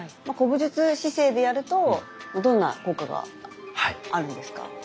古武術姿勢でやるとどんな効果があるんですか？